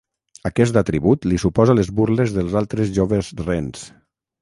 Aquest atribut li suposa les burles dels altres joves rens.